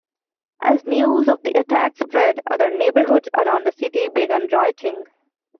As news of the attacks spread, other neighborhoods around the city began rioting.